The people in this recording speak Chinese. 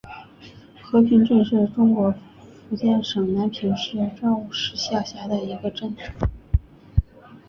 和平镇是中国福建省南平市邵武市下辖的一个镇。